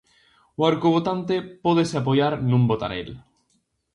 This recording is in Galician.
O arcobotante pódese apoiar nun botarel.